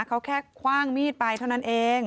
เขาแค่คว่างมีดไปเท่านั้นเอง